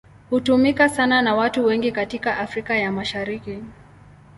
Hutumika sana na watu wengi katika Afrika ya Mashariki.